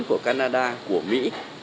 của canada của mỹ